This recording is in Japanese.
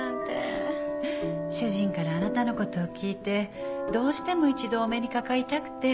主人からあなたの事を聞いてどうしても一度お目にかかりたくて。